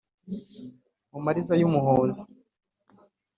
Mu mariza y’Umuhozi